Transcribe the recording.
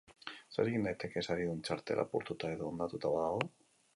Zer egin daiteke saridun txartela apurtuta edo hondatuta badago?